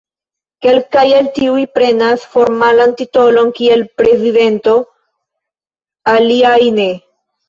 Kelkaj el tiuj prenas formalan titolon kiel "prezidento", aliaj ne.